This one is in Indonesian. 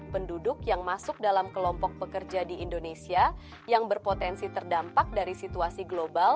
penduduk yang masuk dalam kelompok pekerja di indonesia yang berpotensi terdampak dari situasi global